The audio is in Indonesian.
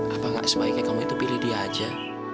apa gak sebaiknya kamu itu pilih dia aja